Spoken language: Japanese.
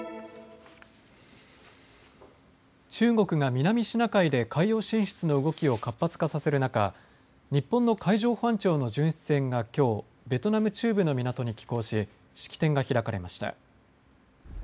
中国が南シナ海で海洋進出の動きを活発化させる中、日本の海上保安庁の巡視船がきょうベトナム中部の港に寄港し式典が開かれました。